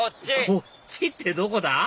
こっちってどこだ？